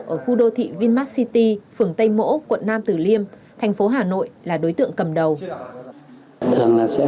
ở khu đô thị vinmart city phường tây mỗ quận nam tử liêm thành phố hà nội là đối tượng cầm đầu